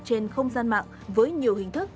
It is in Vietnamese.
trên không gian mạng với nhiều hình thức